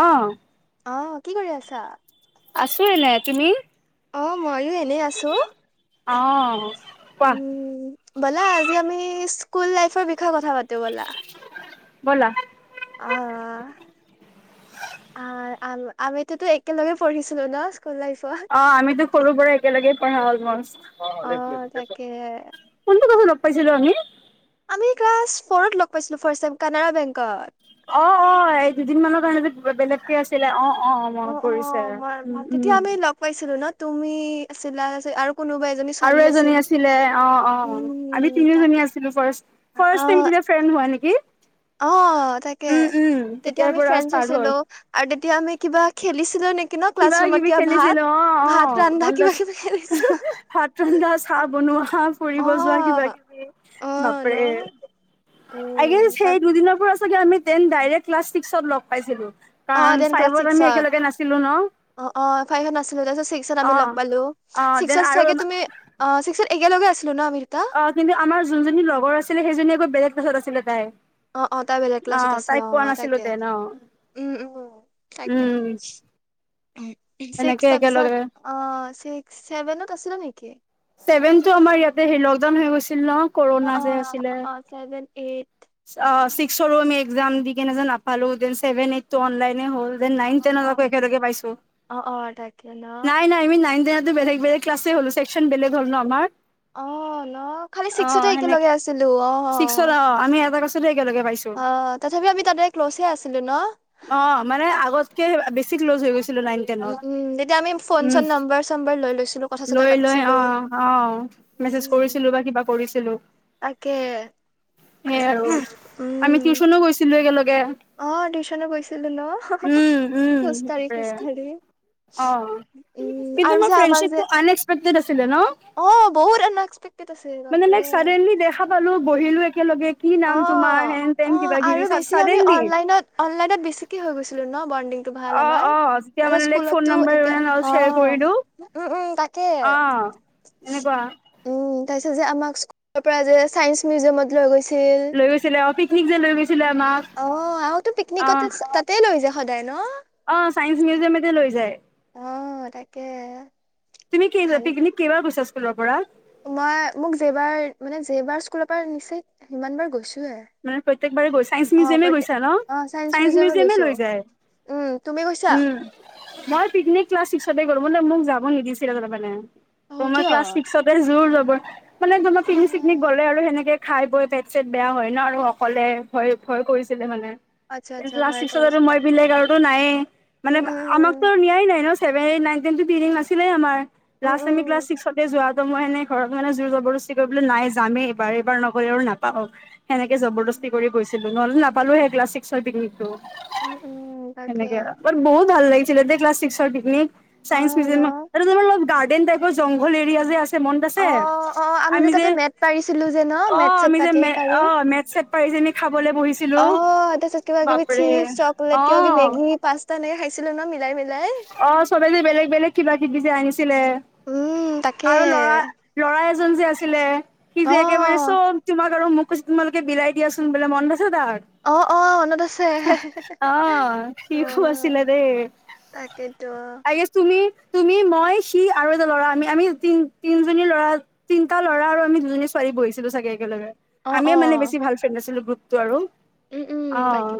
অ। অ কি কৰি আছা? আছোঁ এনে তুমি। অ', ময়ো এনে আছোঁ। অ', কোৱা উম ব'লা আজি আমি স্কুল লাইফৰ বিষয়ে কথা পাতো ব'লা। ব'লা। আহ। আহ আম আমিটোতো একেলগে পঢ়িছিলো ন স্কুল লাইফত। অ আমিতো সৰু পৰা একেলগে পঢ়া অলমষ্ট অ, কোনটো ক্লাছত লগ পাইছিলো আমি আমি ক্লাছ ফ'ৰত লগ পাইছিলো ফাৰ্ষ্ট টাইম কানাডা বেংকত অ অ এই দুদিন মানৰ কাৰণে যে বেলেগকে আছিলে অ অ মনত পৰিছে অ', মই উম ভাল তেতিয়া উম। আমি লগ পাইছিলো ন তুমি চিলাই আছিল আৰু কোনোবা এজনী ছোৱালী আৰু আছিল। এজনী আছিলে অ অ আমি উম, তাকে তিনিজনী আছিলোঁ ফাৰ্ষ্ট। ফাৰ্ষ্ট অ', টাইম তেতি ফ্ৰেণ্ড হোৱা নি অ তাকে উম, তেতিয়া তেতিয়াৰ আমি পৰা ফ্ৰেণ্ডছ ষ্টাৰ্ট হ'ল। আছিলো আৰু তেতিয়া আমি কিবা খেলিছিল কিবা কিবি খেলিছিলো অ অ ভাত ৰান্ধা মনত কিবা আছে, কিবি খেলিছো হহ ভাত ৰন্ধা চা চাহ বনোৱা অ ফুৰিব যোৱা কিবা কিবি অ ন বাপৰে আই গেষ্ট উম তাৰ সেই দুদিনৰ পৰা চাগে আমি তেন ডাইৰেক্ট ক্লাছ ছিক্সত লগ পাইছিলো। অ কাৰণ দেন ক্লাছ ফাইভত আমি ছিক্সত একেলগে নাছিলো ন অ অ ফাইভত নছিলো তাৰপিছত ছিক্সত আমি অ লগ পালোঁ অ দেন ছিক্সত আৰু চাগে তুমি অ ছি একেলগে আছ অ কিন্তু আমাৰ যোনজনী লগৰ আছিলে সেইজনী আকৌ বেলেগ ক্লাছত আছিলে তাই অ অ তাই বেলেগ অ ক্লাছত আছিল তাইক পোৱা অ নাছিলো তাকে তেন অ উম উম তাকে, উম উমহ ছিক্স এনেকে তাপিছত একেলগে অ চিক্স ছেভেনত আছিলা নেকি ছেভেনটো আমাৰ ইয়াতে হে লকডাউন হৈ গৈছি ল ন অ কৰুণা অ যে আছিলে। অ ছেভেন এইট অ ছিক্স ছৰো আমি একজাম দি কেনে যে নাপালোঁ দেন ছেভেন এইট টো অনলাইনে হ'ল। অ নাইন, টেনত অ আকৌ একেলগে পাইছোঁ অ অ তাকে ন নাই নাই আমি নাইন, টেনত বেলেগ বেলেগ ক্লাছে হ'লো। চেকচন বেলেগ হ'ল ন আমাৰ অহ ন খালি অ ছিক্সতে একেলগে সেনেকে আছিলোঁ অ অ ছিক্সত আমি এটা ক্লাছতে একেলগে পাইছোঁ। তথাপি আমি তাতে ক্ল'ছে আছিলো ন অ মানে অ আগতকে বেছি বেছি ক্লজ হৈ গৈছো উম উম তেতিয়া আমি ফোন চন নম্বাৰ চম্বাৰ লৈ লৈছিলো কথা চথা পাতিছিলো। অ অ, অ মেছেজ উম কৰিছিলো বা কিবা কৰিছিলো তাকে সে আৰু আমি উম টিউচনো গৈছিলো। উম একেলগে অ টিউচনো গৈছিলো ন উম খোজকাঢ়ি তাকে। খোজকাঢ়ি অ উম কিন্তু আৰু মই যে আমাক যে ফ্ৰেণ্ডচিপটো আন এক্সপেত ছিলে ন অ বহুত আনএক্সপেক্টেড আছিল মানে বাপৰে চাদেনলী দেখা পালোঁ বহিলো একেলগে কি অ নাম তোমাৰ অ, হেন তেন ‌অহ কিবা কিবি আৰু বেছি আমি চাডেনলি অনলাইনত অনলাইনত বেছিকে হৈ গৈছিলো ন। বৰ্নদিং টো ভাল অ আমাৰ। অ তেতিয়া মানে তাপিছত লাইক ফোন স্কুলত টো নাম্বাৰ একে, অ শ্বেয়াৰ কৰিলো উম উম তাকে তাকে, অ', এনেকুৱা উম তাপিছত যে আমাক পৰা যে চায়েন্স মিউজিয়ামত লৈ গৈছি লৈ গৈছিলে অ' পিকনিক যে লৈ গৈছিল অহ, আৰু তো পিকনিকতে তাতেই লৈ যায় সদায় ন'? অহ, চাইন্স মিউজিয়ামতে লৈ যায়। অহ, তাকে। তুমি কি ভাল পিকনিক কেইবাৰ গৈছা স্কুলৰ পৰা? মই মোক জেইবাৰ মানে জেইবাৰ স্কুলৰ পৰা নিচে সিমান বাৰ গৈছো। মানে প্ৰত্যয়েকবাৰে গৈ চাইন্স মিউজিয়ামে প্ৰত্যেক গৈছা অ চাইন্স ন'চাইন্স মিউজিয়ামত মিউজিয়ামে গৈছো লৈ যায়। উম তুমি গৈছা উম, মই পিকনিক ক্লাছ ছিক্সতে মোক যাব নিদিছিলে তাৰমানে অ ত'মই কিয় ক্লাছ ছিক্সতে জোৰ যবৰ মানে তোমাৰ পিকনিক- চিকনিক অ গ'লে আৰু সেনেকে খাই বৈ পেট- চেট বেয়া হয় ন' আৰু অকলে ভয় -ভয় কৰিছিলে হলে। আচ্ছা আচ্ছা ক্লাছ ভাই ছিক্সত কৰিছা মই বেলেগ আৰুটো নাইয়ে মানে উম উম আমাকতো নিয়াই নাই ন' চেভেন এইঠ নাইন তেন টো নাছিলে ট্ৰিম আমাৰ উম উম লাষ্ট আমি ক্লাচ ছিক্সতে যোৱাাত মইনে ঘৰত মান জোৰ জ বেছি কৰিবলৈ নাই যামেই এইবাৰ এইবাৰ নগলে আৰু নাপাও। সেনেকে উম জবৰদস্তী কৰি গৈছিলো নহ'লে নাপালো হে ক্লাছ ছিক্সৰ পিকনিক। উম উম উম, তাকে সেনেকে ব বহুত ভাল লাগিছিলে দে ক্লাছ চিক্সৰ পিকনিক। অ চাইন্স ন মিউজিয়ামত আৰু তোমাৰ অলপ গাৰ্ডেন টাপৰ জংঘল এৰিয়া যে আছে মনত অ আছে অ আমি যে তাতে মেট পাৰিছিলো যে ন মেট অ' চেট আমি যে পাতি মে অ মেট -ছেট পাৰি যে খাব অহ, তাৰপিছত কিবা -কিবি চিপচ - অ চকলেট কিবা -কিবি মেগী-পাস্তা এনেকে খাইছিলো ন, ' মিলাই -। অহ, চবে যে বেলেগ -বেলেগ, কিবা- কিবি যে আনিছ চিলে উম তাকে আৰু লৰা- ল'ৰা এজন যে আছিলে সি অ যে একেবাৰে চব তোমাক আৰু মোক কৈছে তোমালোকে বিলাই দিয়াচোন বোলে মন অ অ মনত আছে [unintelligible] অহ, অ হিয়ো আছিলে দেই। তাকেতো। তি তুমি মই সি আৰু এটা ল'ৰা আমি -আমি তি -তিনজনী ল'ৰা, তিনিটা ল'ৰা আৰু আমি দুজনী ছোৱালী বহিছিলো চাগে একেলগে। অ অ আমিয়ে মানে বেছি ভাল ফ্ৰেণ্ড আছিলো গ্ৰুপটো আৰু উম উম তাকে অ',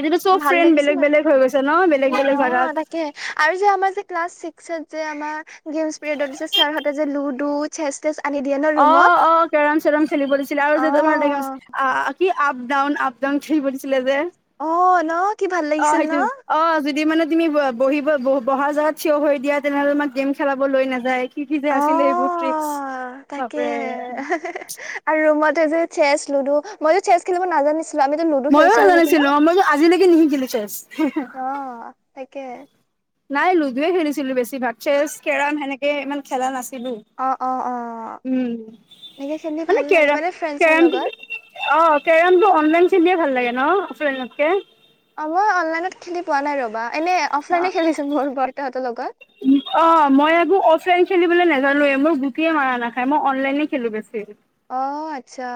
এতিয়াটো চব ভাল ফ্ৰেণ্ড লাগিছিল বেলেগ আৰু -বেলেগ হৈ গৈছে ন' বেলে উম, অ' তাকে আৰু যে আমাৰ যে ক্লাছ ছিক্সত যে আমাৰ গেমছ পিৰিয়ডত যে ছাৰহঁতে যে লুডু চেছ- তেছ আনি দিয়ে ন ৰুমত অ', - অ', কেৰম -চেৰম খেলিবলৈ দিছিলে আৰু অ যে তোমাৰ দেগামচ আ কি আপ ডাউন- আপ ডাউন খেলিব দিছিলে যে অ ন কি ভাল [inaudible] অহ, লাগিছিল ন সেইটো অহ যদি মানে তুমি বহিব ব -বহা জাগাত থিয় হৈ দিয়া তেনেহ'লে তোমাক গেম খেলাব লৈ নাযায়। কি- কি যে অ আছিলে এইবোৰ ট্ৰিক্স। তাকে বাপৰে আৰু ৰুমতে যে চেচ, লুডু আৰু মইটো চেচ খেলিব নাজানিছো আমিতো লুডু ময়ো খেলিছিলো নেকি ন' নাজানিছিলো মইতো আজিলৈকে নিশিকিলো চেছ অহ তাকে নাই লুডুয়ে খেলিছিলো বেছিভাগ চেচ, কেৰম সেনেকে ইমান খেলা নাছিল অ অ অ উম, এনেকে খেলি মানে ভাল লাগে কেৰম টো ফ্ৰেণ্ডছৰ লগত অহ, কেৰমটো অনলাইন খেলিয়ে ভাল লাগে ন'অফ লাইনত কে অহ, মই অনলাইনত খেলি পোৱা নাই ৰবা। এনে অফলাইনে খেলিছো মোৰ বৰতাহঁতৰ লগত অহ, মই আক অফলাইন খেলিবলে নে নেজানো মোৰ গোটেই মাৰা নাখায় মই অনলাইনে খেলো বেছি। অহ, আচ্ছা।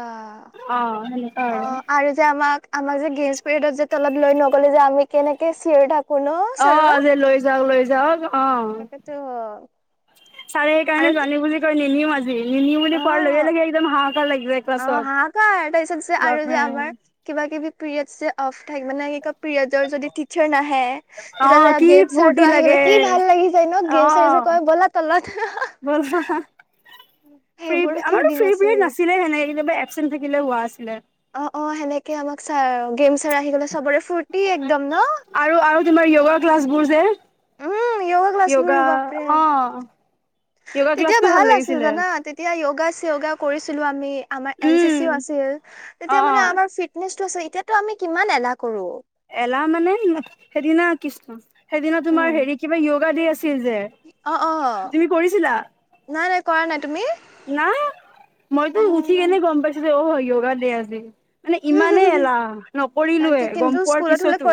অ সেনেকুৱা অহ, আৰু যে আমাক -আমাক গেছ পিৰিয়দত তলত যে লৈ নগলে যে আমি কেনেকে চিঞৰি থাকোঁ। থাকোঁ ন' অ যে ছাৰক। লৈ যাওক লৈ যাওক তাকে টো হ চাৰে সেইকাৰণে জানি বুজি কয় নিনিউ আজি নিনিউ বুলি পোৱাৰ লগে -লগে একদম হাঁহ অহ, হাহাকাৰ তাৰপিছত যে আৰু যে আমাৰ বাপৰে কিবা -কিবি পিৰিয়ড যে অফ থাকে মানে কি ক পিৰিয়ডৰ যদি টিচাৰ নাহে অ', কি তেতিয়াহ'লে ফূৰ্তি গেমছাৰটো আহিলে লাগে। কি ভাল লাগি যায়। গেম চাৰে যে কয় ব'লা তলত আহ [unintelligible] সেইবোৰ কি আমাৰো দিন ফ্ৰী আছিল পিৰেড নাছিলে হেণেকে কেতিয়াবা এচেণ্ট থাকিলে হোৱা আছিলে অ অ সেনেকে আমাক চ গেমচাৰ আহি গলে চবৰে ফূুৰ্তি একদম ন আৰু আৰু তোমাৰ য়োগা ক্লাছ বোৰ যে উম যোগা ক্লাছ য়োগা বোৰো বাপৰে অ', য়োগা তেতিয়া ক্লাছটো ভাল আছিল লাগিছিলে। জানা তেতিয়া য়োগা ওয়াগা কৰিছিলোঁ আমি আমাৰ উম, অঞ্চ্চো ও আছিল তেতিয়া মানে অ', আমাৰ ফিত নেছ আছো এতিয়াতো আমি কিমান এলাহ কৰো এলাহ মানে সেইদিনা কিছ সেইদিনা তোমাৰ উম হেৰি কিবা যয়োগা ডে আছিল আছিল যে অ অ তুমি কৰিছিলা নাই নাই কৰা নাই তুমি না মইতো উঠি কেনে গম পাইছো যে অ উয়োগা দে আজি মানে ইমানেই এলাহ নকৰিলোয়ে তাকে গম কিন্তু পোৱাৰ স্কুলত হলে পিছতো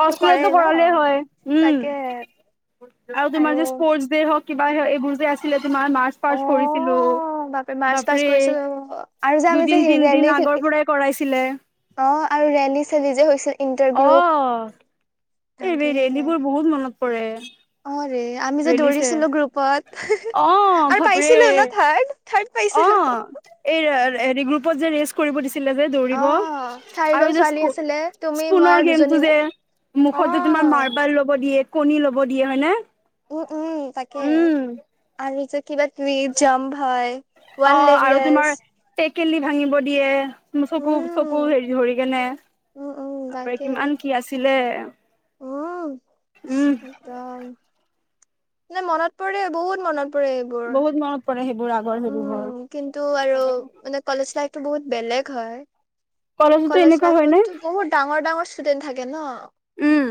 অ স্কুলতো অ, কৰালে হয় উম তাকে। আৰু তোমাৰ যে স্পৰ্ দে হক কিবা হ এইবোৰ যে আছিলে তোমাৰ মাৰ্চ পা অ কৰিছিলো। বাপে মাৰ্চ পা বাপৰে কৰিছো আৰু যে দুদিন তিনদিন আমি যে। আগৰ পৰাই কৰাইছিলে অ আৰু ৰেলী চেলি যে হৈছিল ইণ্টাৰ অ গ্ৰুপ। এই তাকে বে ৰেলি বোৰ বহুত মনত পৰে। অ আমি যে ৰেলী চে দৌৰিছিলো গ্ৰুপত অ আৰু বাপৰে পাইছিলো ন থাৰ্ড থাৰ্ড পাইছিলো [unintelligible] অ দৌৰিব আৰু চাৰিজন যে ছোৱালী আছিলে তুমি মই আৰু দুজনী গেমটো ন। যে, অ মুখতো তোমাৰ মাৰ্বল ল'ব দিয়ে, কণী ল'ব দিয়ে হয় নে? উম, উম তাকে, আৰু যে কিবা তুি জাম্প হয়। ওৱান লেগ ৰেছ, কেলি ভাঙিব দিয়ে। চকু চকু উম হেৰি ধৰি কেনে উম উম তপ কিমান কি আছিলে। আহম উম সদ [unintelligible] মানে মনত পৰে বহুত মনত পৰে এইবোৰ বহুত মনত পৰে সেইবোৰ আগৰ উম, হেৰিবোৰ কিন্তু আৰু মানে কলেজ লাইফটো বহুত বেলেগ হয়। কলেজতো কলেজ এনেকুৱা হয় নে লাইফতো বহুত ডাঙৰ ডাঙৰ ষ্টুডেন্ট থাকে ন। উম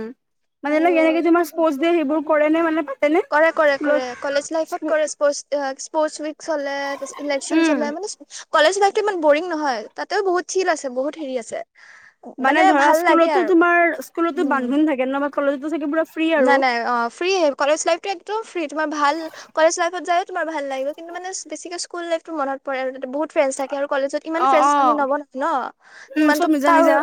মানে আৰু এনেকে তোমাৰ স্পৰ্ দে সেইবোৰ কৰে ন মানে। পাতেনে কৰে, স্কুলত কৰে কলেজ লাইফত কৰে স্পৰ্ট স্পৰ্টচ উই হলে তাৰপিছত ইলেকচন উম চলে মানে কলেজ লাইফটো ইমান বৰিং নহয়। তাতেও বহুত চিল আছে, বহুত হেৰি আছে। মানে ধৰা ভাল লাগে আৰু স্কুলতোমাৰ স্কুলতো উম বান্ধোন থাকে ন বা কলেজতো থাকে পুৰা ফ্ৰী আৰু নাই, নাই অ ফ্ৰী কলেজ লাইফটো একদম ফ্ৰী তোমাৰ ভাল কলেজ লাইফত যায়। তোমাৰ ভাল লাগে কিন্তু মানে বেছিকে স্কুল লাইফতটো মতৰে আৰু বহুত। ফ্ৰেণ্ড থাকে আৰু কলেজত ইমান অ ফ্ৰেড অ আমি নব ন ন উম ইমানতো চব নিজা কাৰ নিজা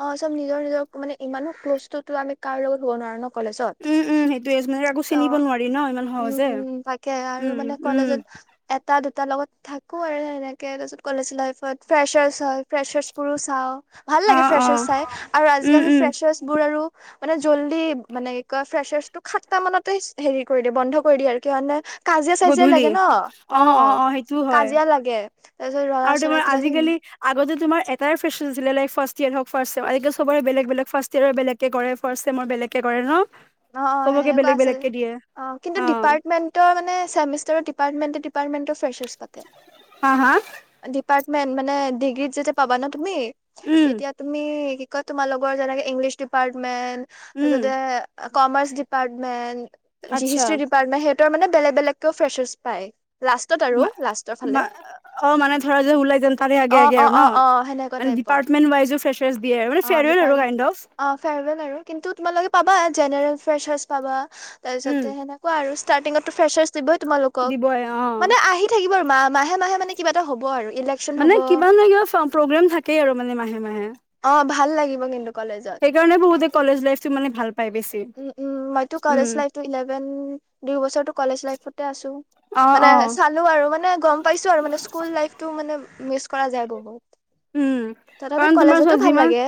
অ, চব নিজৰ নিজৰ মানে ইমানো ক্ল'জটোতো আমি কাৰো লগত হব নোৱাৰো ন। কলেজত উম উম সেইটোয়ে মানে কাকো ত। চিনিব নোৱাৰি ন ইমান উম, সহজে উম তাকে আৰু উম মানে উম কলেজত। এটা দুটাৰ লগত থাকো আৰু সেনেকে তাৰপিছত কলেজ লাইফত ফ্ৰেচাৰ্চ হয় ফ্ৰেচাৰ্চবোৰো চাওঁ। ভাল অ লাগে অ ফ্ৰেচাৰছ চাই আৰু উম আজিকালি উম ফ্ৰেচাৰছ বোৰ আৰু মানে জল্দি মানে ফ্ৰেটো সাতটা মানতে হেৰি কৰি দিয়ে বন্ধ কৰি দিয়ে আৰু কে কাজিয়া-চাজিয়া গধূলি লাগে ন অ কাজিয়া লাগে। তাৰ পিছত ছত ৰৰাা আৰু চৰা তোমাৰ কিবা কি আজিকালি আগতে তোমাৰ এটাৰে ল ফাৰ ইয়াৰ হ ফে চবৰে বেগ বেগ ফাৰ্ ইয়ৰ বেলেগে কৰে ফেগ একে কৰে ন অ' চবকে সেনেকোৱা বেলেগ আছে। বেলেগকে দিয়ে অ, কিন্তুি দীপাৰেটৰ মানাৰ। ডিপাৰমেন। হা হা ডিপাৰ্টমেন্টৰ মানে ডিগ্ৰীত যেতিয়া পাবা ন তুমি উম তেতিয়া তুমি তোমাৰ লগৰ যেনেকে ইংলিছ ডিপাৰ্টমেন্ট উম তাৰিছতে কমাৰ্চ ডিপাৰ্টমেন্ট। আচ্ছা হিষ্টি ডিপাৰ্টমেট সিহতৰ মানে বেলেগ বেলেগকও ফ্ৰেচাৰছ পায়। লাষ্টত আৰু মা লাষ্টৰ ফালে। মা অ, মানে ধৰা যে ওলাই যেন তাৰে আগে অ আগে অ আৰু ন অ অ সেনেকুৱা মানে টাইপত ডিপাৰ্টমেণ্ট ৱাইজো ফ্ৰে অ দিয়ে আৰু ডিপাৰ্ট কাইণ্ড অফ। অ, ফেয়াৰৱেল আৰু কিন্তু তোমালোকে পাবা। জেনেৰেল ফ্ৰেছাৰ্চ পাবা, উম তাৰপিছতে সেনেকুৱা আৰু ষ্টাৰ্টিঙতো ফ্ৰেছাৰছ ই তোমালোকক দিবই অ মানে আহি থাকিব আৰু মা মাহে মাহে মানে কিবা এটা হ'ব আৰু। ইলেকশ্যন মানে হ'ব কিবা নহয় কিবা প্ৰগ্ৰেম থাকেই আৰু মানে মাহে মাহে। অ' ভাল লাগিব কিন্তু। কলেজত সেইকাৰণে বহুতে কলেজ লাইফ টো মানে ভাল পায় বেছি। [unintelligible] চালো উম, আৰু মানে গম পাইছো আৰু অ', স্কুল অ', লাইফ তো মানে মিছ কৰা যায় আৰু। উম, কাৰণ তোমাৰ ওৰত যিমান লাগে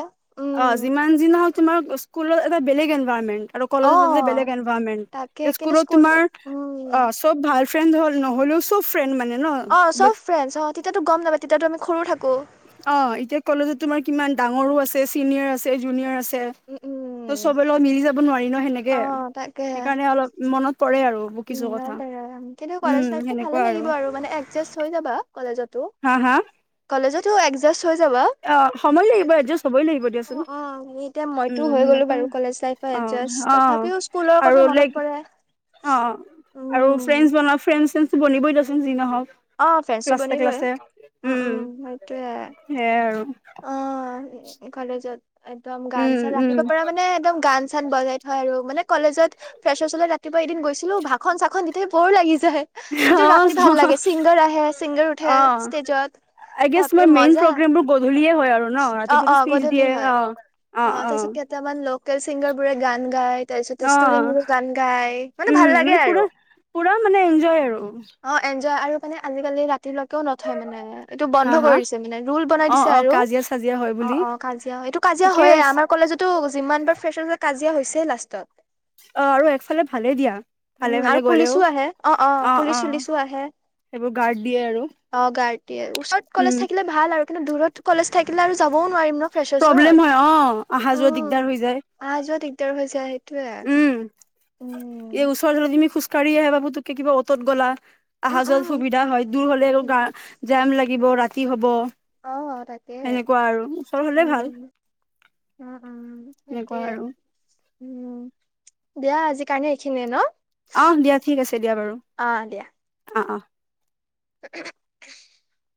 অ উম যিমান যি হওক তোমাৰ স্কুলত। টা বেলেগ এনভাইৰনমেণ্ট আৰু অ কলেজত বেলেগ এনভাইৰনমেণ্ট তাকে কিন্তু স্কুলত তোমাৰ উম অ চব ভাল ফ্ৰেণ্ড হ নহ'লেও চব ফ্ৰেণ্ড মানে ন অ বাট চব ফ্ৰেণ্ড অ তেতিয়াটো গম নাপায় পা তেতিয়াতো আমি সৰু থাকো অ এতিয়া কলেজত তোমাৰ কিমান ডাঙৰো আছে, চিনিয়ৰ আছে, জুনিয়ৰ আছে। উম ত উম চবে লগত মিলি যাব নোৱাৰি ন অ সেনেকে। তাকে সেইকাৰণে অলপ মনত পৰে আৰু কিছু কথা কিন্তু উম, কলেজ ল ভালে সেনেকুৱা লাগিব আৰু মানে এডজাষ্ট হৈ যাবা কলেজতো হা, হা কলেজতো একজাটষ হৈ যাব। অ', সময় লাগিব এডজাষ্ট হ'বই লাগিব অ দিয়াচোন অ এইটো উম, হৈ গলো সেনেকুৱা বাৰু অ', অ', তথাপিও স্কুলৰ আৰু কথা মনত লাইক পৰে। অ আৰু উম ফ্ৰেণ্ড বনাও ফ্ৰেণ্ড চেণডচ বনিবই দিয়াচোন যি নহওক অ ফ্ৰেণ্ডচটো ক্লাছে বনিবই। ক্লাছে উম উম সেইটোয়ে আৰু অ কলেজত একদম গান উম চান উম ৰাতিব পৰাৰা মানে একদম গান চ চান বজাই থয় আৰু মানে কলেজত ফেচাচ চলত ৰাতিুৱা এদিন গৈছিলো ভাষন চাখন দি থ বৰ লাগিছিল। কিন্তু ৰাতি ভাল অ লাগে চিংগাৰ আহে ছিংগাৰ উঠে অ ষ্টেজত বাপৰে মেইন মজা প্ৰগেমবোৰ গধূলি দিয় হয় আৰু ন অ অ ৰাতিপুৱা স্পিজ গধূলি দিয়ে হয় অ অ অ তাৰপিছত কেইটামান ছিংগাৰ বোৰে গান গাই তাৰপিছতে অ ষ্টুডেন্ট বোৰে গান গাই মানে উম ভাল লাগে পুৰা আৰু পুৰা মানে এনজয় আৰু অ এনজয় আৰু মানে আজিকালি ৰাতিলৈকেও নথয় মানে এইটো বন্ধ হা হা কৰি দিছে মানে ৰুল বনাই অ দিছে। অ আৰু কাজিয়া চাজিয়া হয় অ বুলি অ কাজিয়া হয়। এইটো কাজিয়া ঠিকে হয়য়েই। আছে আমাৰ কলেজতো যিমান বাৰ ফেচাচ কাজিয়া হৈছে লাষ্টত। অ আৰু একফালে ভালেই দিয়া উম ভালে আৰু ভালে গলেও পুলিচো আহে অ আহ অ। পুলিচ চুলিচো আহে সেইবোৰ গাৰ্ড দিয়ে আৰু দিয় ওচৰত কলেজ উম থাকিলে ভাল আৰু কিন্তু দূৰত কলেজ থাকিলে আৰু যাব। নোৱাৰিম ন ফেছৰ প্ৰব্লেম চত হয় অ অহা উ যোৱা দিগদাৰ হৈ যায় আহ যত ৰ হৈ য সেইটোয়ে উম উম কা় আহে বাবু তোক কিবা অত গলা উম অহা যোৱা উম সুবিধা হয় দূৰ হলে উম গা জাম লাগিব ৰাতি হ'ব। অ তাকে সেনেকুৱা আৰু ওচৰ হলে ভাল। উম উম উম তাকে তেনেকুৱা আৰু উম দিয়া আজি কাৰণে এইখিনিয়ে ন আহ দিয়া ঠিক আছে দিয়া বাৰু অ দিয়া অ অ [inaudible]